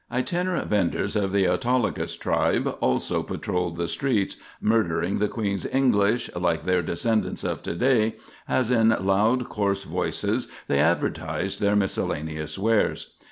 Itinerant vendors of the Autolycus tribe also patrolled the streets, murdering the Queen's English, like their descendants of to day, as in loud, hoarse voices they advertised their miscellaneous wares.